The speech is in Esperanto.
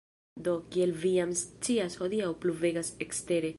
Do, kiel vi jam scias hodiaŭ pluvegas ekstere